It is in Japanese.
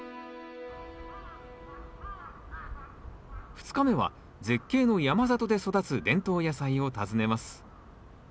２日目は絶景の山里で育つ伝統野菜を訪ねます